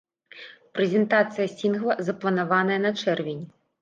Прэзентацыя сінгла запланаваная на чэрвень.